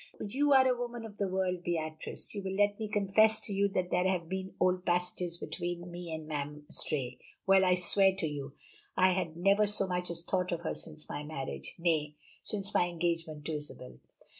"You are a woman of the world, Beatrice; you will let me confess to you that there had been old passages between me and Mme. Istray well, I swear to you I had never so much as thought of her since my marriage nay, since my engagement to Isabel.